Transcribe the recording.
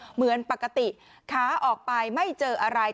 เหมือนปกติขาออกไปไม่เจออะไร